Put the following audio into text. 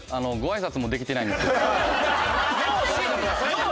よう